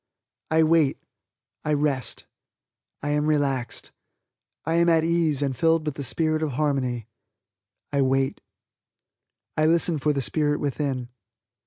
I wait I rest I am relaxed I am at ease and filled with the spirit of harmony. I wait. I listen for the spirit within.